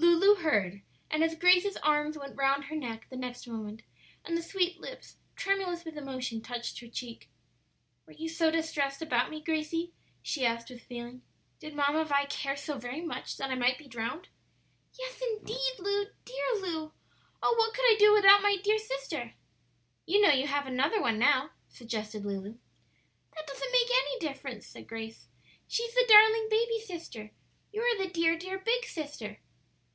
Lulu heard, and as Grace's arms went round her neck the next moment, and the sweet lips, tremulous with emotion, touched her cheek, "Were you so distressed about me, Gracie?" she asked with feeling. "Did Mamma Vi care so very much that I might be drowned?" "Yes, indeed, Lu, dear Lu; oh, what could I do without my dear sister?" "You know you have another one now," Suggested Lulu. "That doesn't make any difference," said Grace. "She's the darling baby sister; you are the dear, dear big sister."